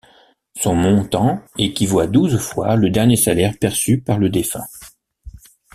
Son montant équivaut à douze fois le dernier salaire perçu par le défunt.